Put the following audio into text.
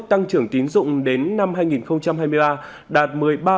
mức tăng trưởng tín dụng đến năm hai nghìn hai mươi ba đạt một mươi ba bảy